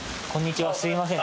すみません